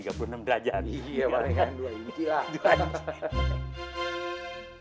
iya paling yang dua inci lah